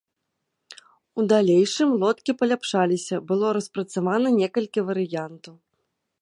У далейшым лодкі паляпшаліся, было распрацавана некалькі варыянтаў.